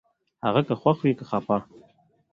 هغه که خوښ و که خپه